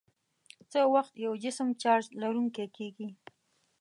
څه وخت یو جسم چارج لرونکی کیږي؟